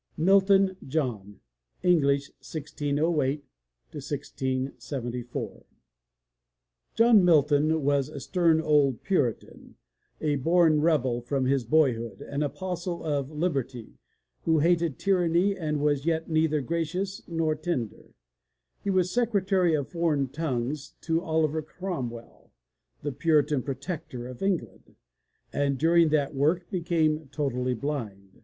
132 THE LATCH KEY MILTON, JOHN (English, 1608 1674) John Milton was a stern old Puritan, a bom rebel from his boy hood, an apostle of liberty, who hated tyranny and was yet neither gracious nor tender. He was Secretary for Foreign Tongues to Oliver Cromwell, the Puritan Protector of England, and during that work became totally blind.